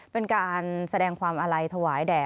เป็นการแสดงความอาลัยถวายแด่